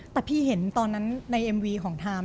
แต่พี่เห็นตอนนั้นในเอ็มวีของไทม์